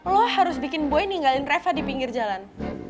lo harus bikin boy ninggalin reva di pinggir jalan